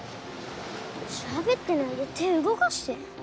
しゃべってないで手動かして！